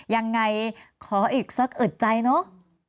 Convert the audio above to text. ยังไงขออีกสักอึดใจเนอะ